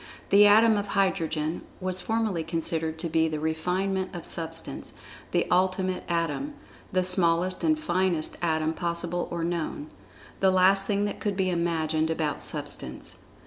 The atom of Hydrogen was formerly considered to be the refinement of Substance—the Ultimate Atom—the smallest and finest Atom possible or known—the last thing that could be imagined about Substance.